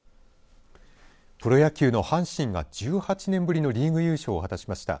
プロ野球の阪神が１８年ぶりのリーグ優勝を果たしました。